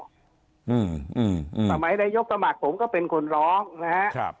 สมัยระยะยกตะหมัดผมก็เป็นคนร้องอยู่นะครับ